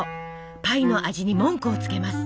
パイの味に文句をつけます。